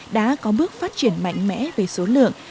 đã có bước phát triển mạnh mẽ về số lượng